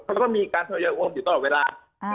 พวกเขามีการเทรดโยยโอนอยู่ตลอดเวลา